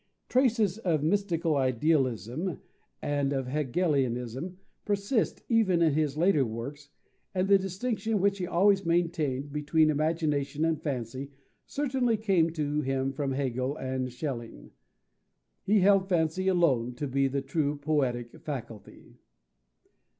Traces of mystical idealism and of Hegelianism persist even in his later works, and the distinction, which he always maintained, between imagination and fancy certainly came to him from Hegel and Schelling. He held fancy alone to be the true poetic faculty.